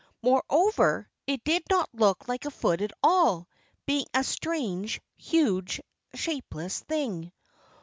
Moreover, it did not look like a foot at all, being a strange, huge, shapeless thing.